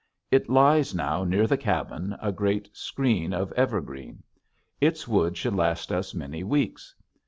It lies now near the cabin a great screen of evergreen. Its wood should last us many weeks.